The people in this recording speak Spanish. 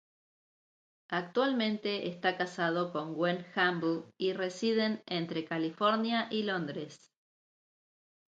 Actualmente está casado con Gwen Humble, y residen entre California y Londres.